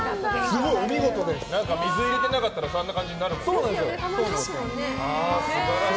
水入れてなかったらあんな感じになるもんね。